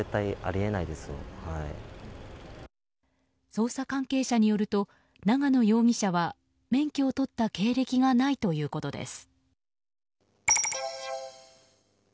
捜査関係者によると永野容疑者は免許を取った経歴がないということです。